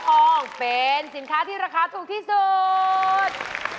กล้วยหอมทองเป็นสินค้าที่ราคาถูกที่สุด